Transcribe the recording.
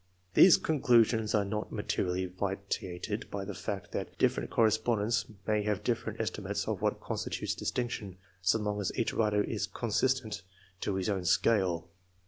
These conclusions are not materiaUy vitiated by the fact that diflferent correspondents may have different esti mates of what constitutes distinction, so long as each writer is consistent to his own scale.